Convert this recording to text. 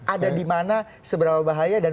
ada di mana seberapa bahaya dan